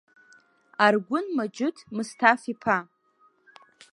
Аргәын маџьыҭ Мысҭаф-иԥа.